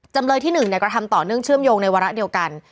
จำเลยที่๑กระทำต่อเนื่องเชื่อมโยงในวาระเดียวกัน